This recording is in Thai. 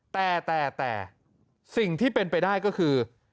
แต่แต่สิ่งที่เป็นไปได้ก็คือ